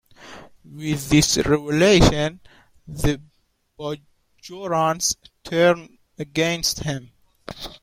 With this revelation, the Bajorans turn against him.